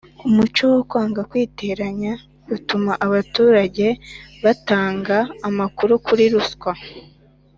umuco wo kwanga kwiteranya utuma abaturage badatanga amakuru kuri ruswa.